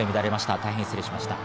大変失礼しました。